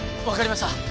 わかりました！